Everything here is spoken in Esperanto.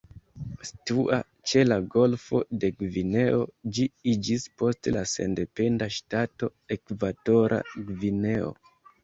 Situa ĉe la golfo de Gvineo, Ĝi iĝis poste la sendependa ŝtato Ekvatora Gvineo.